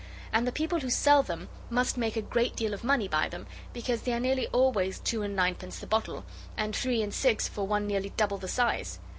And the people who sell them must make a great deal of money by them because they are nearly always two and ninepence the bottle, and three and six for one nearly double the size.